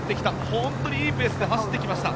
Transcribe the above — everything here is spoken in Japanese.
本当にいい駅伝で走ってきました。